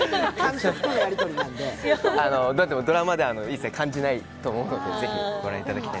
ドラマでは一切感じないと思うので、ぜひご覧いただきたい。